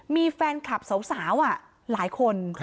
มีแฟนคลับสาวหลายคน